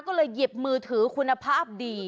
ก็เลยหยิบมือถือคุณภาพดี